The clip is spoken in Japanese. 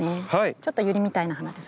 ちょっとユリみたいな花ですけれども。